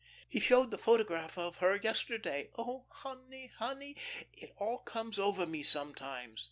He showed the photograph of her yesterday. Oh, honey, honey! It all comes over me sometimes.